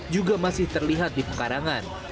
juga masih terlihat di pekarangan